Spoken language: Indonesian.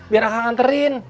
biar akang anterin